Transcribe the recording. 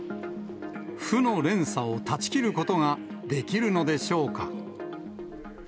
負の連鎖を断ち切ることができるのでしょうか。